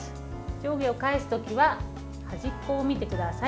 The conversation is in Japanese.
上下を返す時は端っこを見てください。